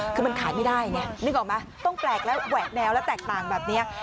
คือมันขายไม่ได้ไงนึกออกไหมต้องแปลกแล้วแหวกแนวและแตกต่างแบบนี้